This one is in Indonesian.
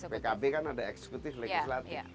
pkb kan ada eksekutif legislatif